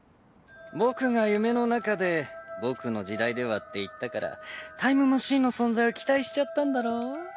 僕が夢の中で「僕の時代では」って言ったからタイムマシンの存在を期待しちゃったんだろ？